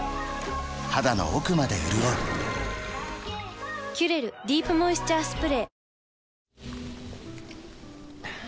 肌の奥まで潤う「キュレルディープモイスチャースプレー」